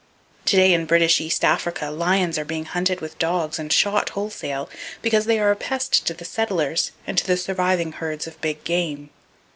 To day in British East Africa lions are being hunted with dogs and shot wholesale, because they are a pest to the settlers and to the surviving herds of big game.